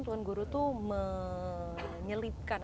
tuhan guru tuh menyelipkan